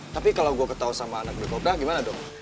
tapi kalo gue ketau sama anak black cobra gimana dong